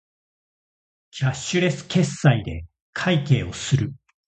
キャッシュレス決済で会計をする